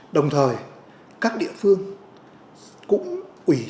đồng thời các địa phương cũng ủy trí